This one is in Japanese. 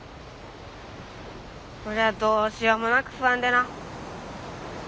俺はどうしようもなく不安でな。